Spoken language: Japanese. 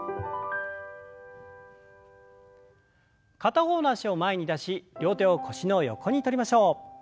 片方の脚を前に出し両手を腰の横にとりましょう。